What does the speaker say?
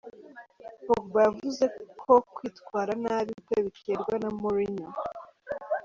Pogba yavuze ko kwitwara nabi kwe biterwa na Mourinho.